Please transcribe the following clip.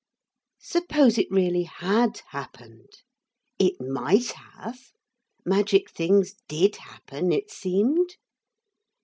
Suppose it really had happened? It might have; magic things did happen, it seemed.